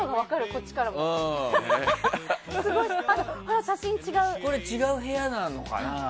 これは違う部屋なのかな。